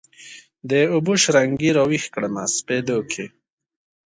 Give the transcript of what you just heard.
د اوبو شرنګي راویښ کړمه سپېدو کښي